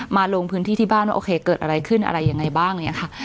ลงพื้นที่ที่บ้านว่าโอเคเกิดอะไรขึ้นอะไรยังไงบ้างเนี่ยค่ะ